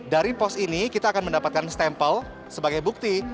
dari pos ini kita akan mendapatkan stempel sebagai bukti